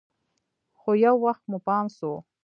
خو يو وخت مو پام سو.